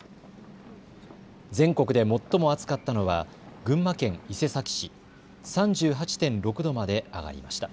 全国で最も暑かったのは群馬県伊勢崎市、３８．６度まで上がりました。